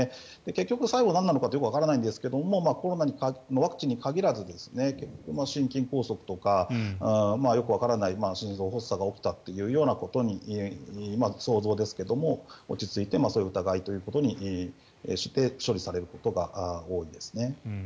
結局、最後なんなのかってよくわからないですがコロナのワクチンに限らず心筋梗塞とか、よくわからない心臓発作が起きたということに想像ですが、そう落ち着いてそういう疑いということにして処理されることが多いです。